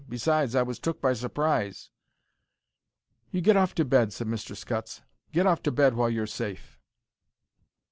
Besides, I was took by surprise." "You get off to bed," said Mr. Scutts. "Get off to bed while you're safe."